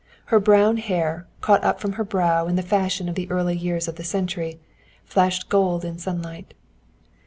Her brown hair, caught up from her brow in the fashion of the early years of the century, flashed gold in sunlight.